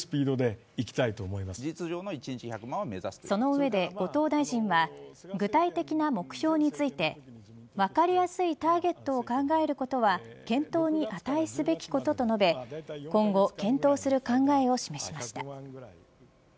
その上で後藤大臣は具体的な目標についてわかりやすいターゲットを考えることは検討に値すべきことと述べ今後、検討する考えを示しました。